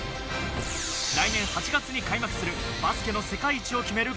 来年８月に開幕するバスケの世界一を決める